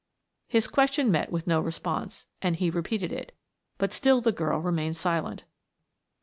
His question met with no response, and he repeated it, but still the girl remained silent.